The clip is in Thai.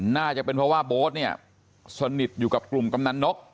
น่าจะเป็นเพราะว่าโบ๊ทเนี่ยสนิทอยู่กับกลุ่มกำนันนก